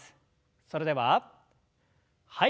それでははい。